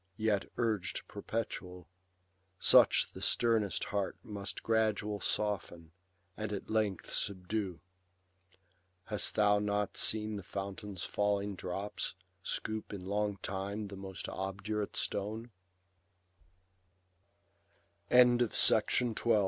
Yet urg'd perpetual, such the sternest heart Must gradual soften, and at length subdue. Hast thou not seen the fountain's falling drops Scoop in long time the most obdurate stone